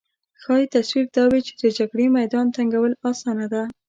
ښايي تصور دا وي چې د جګړې میدان تنګول اسانه ده